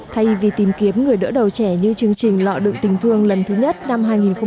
thay vì tìm kiếm người đỡ đầu trẻ như chương trình lọ đựng tình thương lần thứ nhất năm hai nghìn một mươi chín